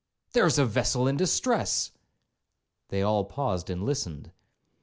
—there is a vessel in distress.' They all paused and listened.